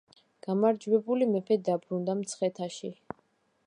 გამარჯვებული მეფე დაბრუნდა მცხეთაში.